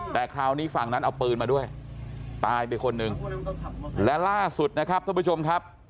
แต่คราวนี้ฝั่งนั้นเอาปืนมาด้วยตายไปคนหนึ่งและล่าสุดนะครับท่านผู้ชมครับ